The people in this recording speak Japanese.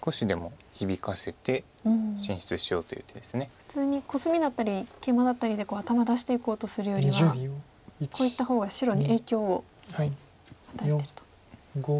普通にコスミだったりケイマだったりで頭出していこうとするよりはこういった方が白に影響を与えてると。